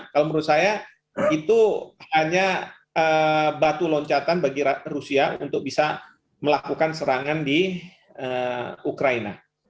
kalau menurut saya itu hanya batu loncatan bagi rusia untuk bisa melakukan serangan di ukraina